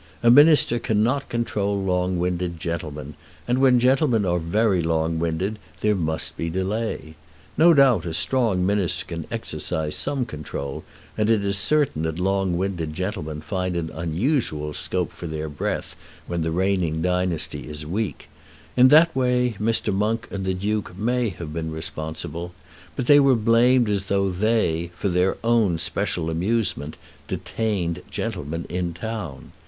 A minister cannot control long winded gentlemen, and when gentlemen are very long winded there must be delay. No doubt a strong minister can exercise some control, and it is certain that long winded gentlemen find an unusual scope for their breath when the reigning dynasty is weak. In that way Mr. Monk and the Duke may have been responsible, but they were blamed as though they, for their own special amusement, detained gentlemen in town.